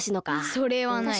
それはない。